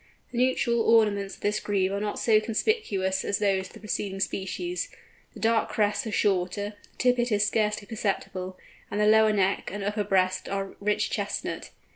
The nuptial ornaments of this Grebe are not so conspicuous as those of the preceding species, the dark crests are shorter, the tippet is scarcely perceptible, and the lower neck and upper breast are rich chestnut.